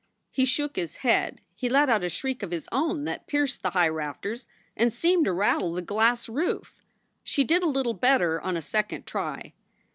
He shook his head. He let out a shriek of his own that pierced the high rafters and seemed to rattle the glass roof. She did a little better on a second try.